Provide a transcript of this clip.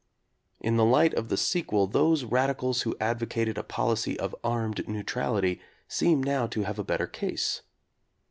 In the light of the sequel those radicals who advocated a policy of "armed neutrality" seem now to have a better case.